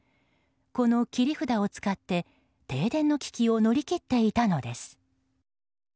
この切り札を使って停電の危機を乗り切っていたのです。